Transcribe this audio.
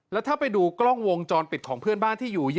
แล้วถ้าไปดูกล้องวงจรปิดของเพื่อนบ้านที่อยู่